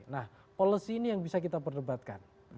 nah policy ini yang bisa kita perdebatkan